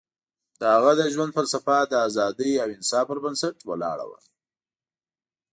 د هغه د ژوند فلسفه د ازادۍ او انصاف پر بنسټ ولاړه وه.